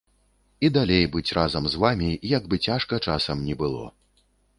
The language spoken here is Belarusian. І далей быць разам з вамі, як бы цяжка часам ні было.